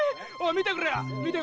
見てくれ！